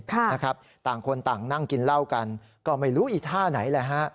ต่างคนต่างนั่งกินเหล้ากันก็ไม่รู้อีท่าไหนแหละฮะ